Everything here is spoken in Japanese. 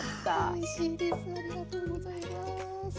おいしいですありがとうございます。